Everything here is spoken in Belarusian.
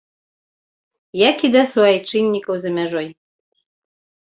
Як і да суайчыннікаў за мяжой.